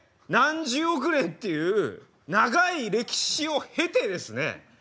何十億年っていう長い歴史を経てですね